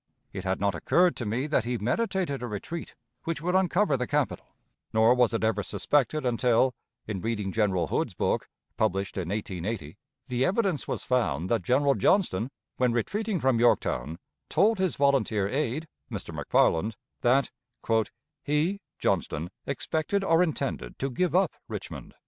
It had not occurred to me that he meditated a retreat which would uncover the capital, nor was it ever suspected until, in reading General Hood's book, published in 1880, the evidence was found that General Johnston, when retreating from Yorktown, told his volunteer aide, Mr. McFarland, that "he [Johnston] expected or intended to give up Richmond."